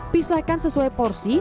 pisahkan sesuai porsi